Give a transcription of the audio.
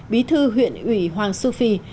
bí thư huyện ủy hoàng sư phi